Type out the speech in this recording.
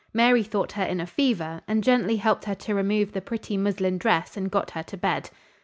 Mary thought her in a fever, and gently helped her to remove the pretty muslin dress and got her to bed.